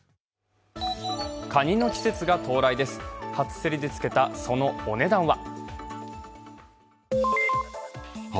カニの季節が到来です、初競りでつけた、そのお値段は？